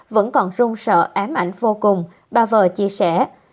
vẫn còn rung sợ ám ảnh vô cùng bà vợ chia sẻ